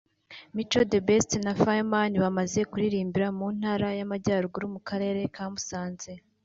Mico The Best na Fireman bamaze kuririmbira mu Ntara y’Amajyaruguru mu Karere ka Musanze